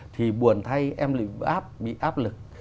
thì buồn thay em bị áp lực